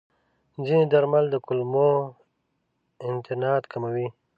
ځینې درمل د کولمو انتانات کموي.